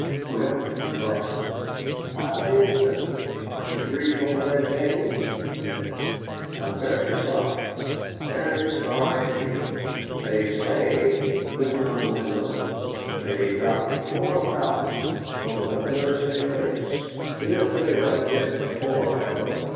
The Rector brightened. "I made certain he'd come to grief over that betting," he said. "I'm very sorry very sorry indeed." "They say," went on Winlow, "that he dropped four thousand over the Thursday race. "He was pretty well dipped before, I know.